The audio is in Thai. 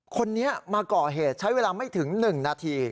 คนนี้มาก่อเหตุใช้เวลาไม่ถึง๑นาที